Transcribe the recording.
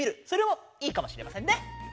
それもいいかもしれませんね。